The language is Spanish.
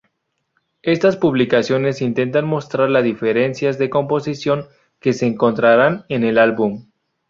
Estas publicaciones intentan mostrar las diferencias de composición que se encontraran en el álbum.